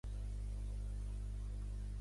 La majoria dels jerarques nazis eren homosexuals.